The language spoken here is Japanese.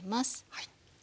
はい。